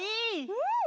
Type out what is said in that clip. うん！